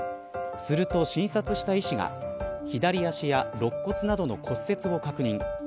すると、診察した医師が左足や肋骨などの骨折を確認。